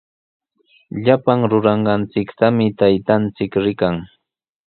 Llapan ruranqanchiktami taytanchik rikan.